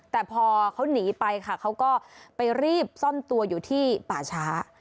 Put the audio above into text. แต่พอเขาหนีไปค่ะเขาก็ไปรีบซ่อนตัวอยู่ที่ป่าช้า